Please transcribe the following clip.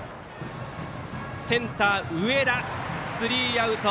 センター、上田がとってスリーアウト。